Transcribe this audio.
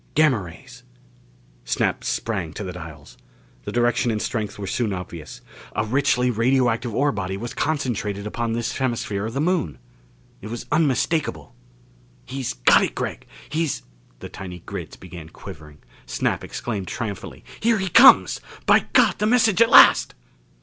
Gamma rays! Snap sprang to the dials. The direction and strength were soon obvious. A richly radioactive ore body was concentrated upon this hemisphere of the Moon! It was unmistakable. "He's got it, Gregg! He's " The tiny grids began quivering. Snap exclaimed triumphantly, "Here he comes! By God, the message at last!"